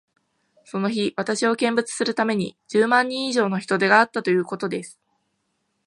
その日、私を見物するために、十万人以上の人出があったということです。